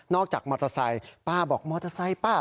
จากมอเตอร์ไซค์ป้าบอกมอเตอร์ไซค์ป้า